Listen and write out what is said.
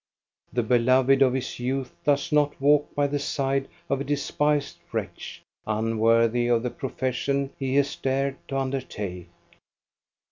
The beloved of his youth does not walk by the side of a despised wretch, unworthy of the profession he has dared to undertake